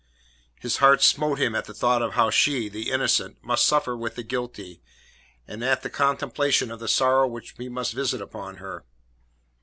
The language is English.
His heart smote him at the thought of how she the innocent must suffer with the guilty, and at the contemplation of the sorrow which he must visit upon her.